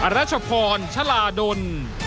รัชพรชลาดล